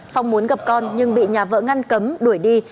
phong muốn gặp con nhưng bị nhà vợ ngăn cấm đuổi đi